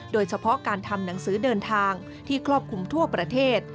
โดยเฉพาะการทำหนังสือเดินทางที่ครอบคลุมทั่วประเทศ